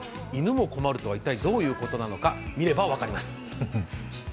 犬も困るとは一体どういうことなのか、見れば分かります。